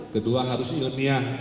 kedua harus ilmiah